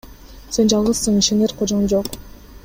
Сен жалгызсың, ишенер кожоң жок.